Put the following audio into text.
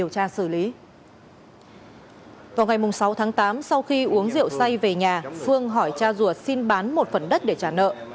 vào ngày sáu tháng tám sau khi uống rượu say về nhà phương hỏi cha ruột xin bán một phần đất để trả nợ